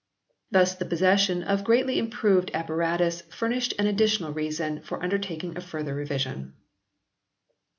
Thus the possession of greatly improved apparatus furnished an additional reason for undertaking a further revision.